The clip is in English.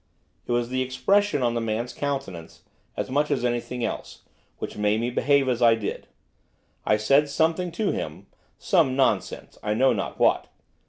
It was the expression on the man's countenance, as much as anything else, which made me behave as I did. I said something to him, some nonsense, I know not what.